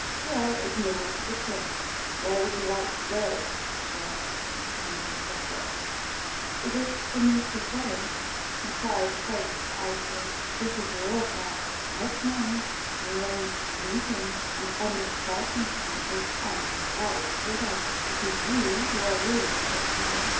Pierre ignored the chill. "Where would you like to go?" he asked, changing the subject. "Is it for me to say?'^ inquired Faith icily. "This is your affair, not mine. You arranged the meeting, and under the circumstances I am compelled to obey. It is you who are ruling just now."